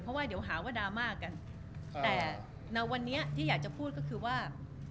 เพราะว่าเดี๋ยวหาว่าดราม่ากันแต่ณวันนี้ที่อยากจะพูดก็คือว่า